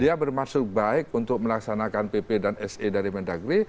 dia bermaksud baik untuk melaksanakan pp dan se dari mendagri